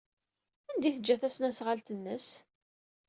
Anda ay teǧǧa tasnasɣalt-nnes?